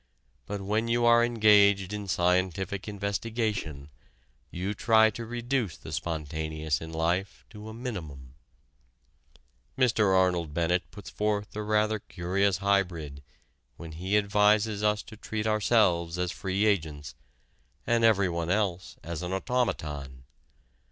But when you are engaged in scientific investigation, you try to reduce the spontaneous in life to a minimum. Mr. Arnold Bennett puts forth a rather curious hybrid when he advises us to treat ourselves as free agents and everyone else as an automaton.